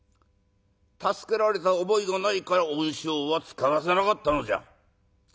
助けられた覚えがないから恩賞は遣わせなかったのじゃ。